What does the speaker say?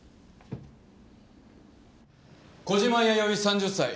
小島弥生３０歳。